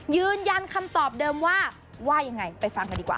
ยืนยันคำตอบเดิมว่าว่ายังไงไปฟังกันดีกว่า